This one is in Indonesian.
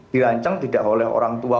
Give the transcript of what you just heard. dirancang tidak oleh orang tua